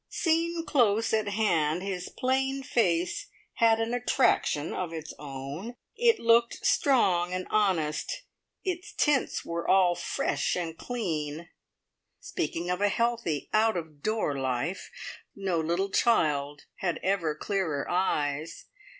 Seen close at hand, his plain face had an attraction of its own. It looked strong and honest; its tints were all fresh and clean, speaking of a healthy, out of door life. No little child had ever clearer eyes.